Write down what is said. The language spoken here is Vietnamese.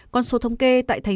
con số thống kê tại tp hcm